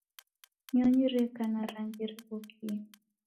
Nyonyi reka na rangi righokie.